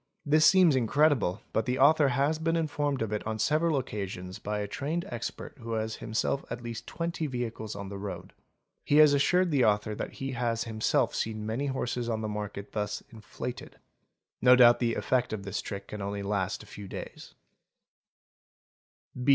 This seems incredible but the author has been informed of it on several occasions by a trained expert who has himself at least twenty vehicles on the road; he has assured the author that he has himself seen many horses in the market thus "inflated". No doubt the effect of this trick can only last a few days.